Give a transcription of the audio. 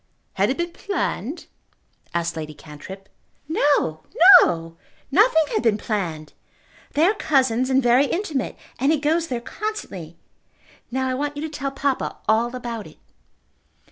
"Had it been planned?" asked Lady Cantrip. "No; no! Nothing had been planned. They are cousins and very intimate, and he goes there constantly. Now I want you to tell papa all about it."